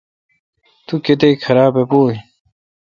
تو کتیک خراب ا پو این۔